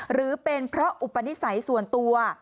หรือเป็นเพราะอุปนิสัยส่วนตัว